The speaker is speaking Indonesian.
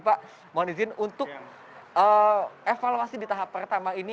pak mohon izin untuk evaluasi di tahap pertama ini